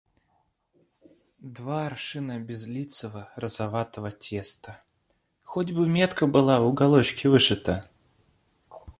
Два аршина безлицего розоватого теста: хоть бы метка была в уголочке вышита.